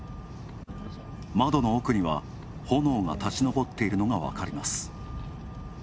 窓の奥には炎が立ち上っているのが分かります。